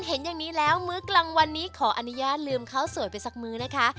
เห็นอย่างนี้แล้วมื้อกลางวันนี้ขออนุญาตลืมข้าวสวยไปสักมื้อนะคะ